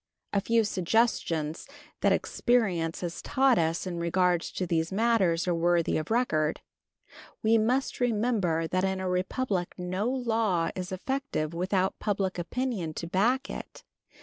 A few suggestions that experience has taught us in regard to these matters are worthy of record. We must remember that in a republic no law is effective without public opinion to back it.